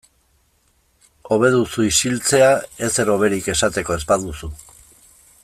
Hobe duzu isiltze ezer hoberik esateko ez baduzu.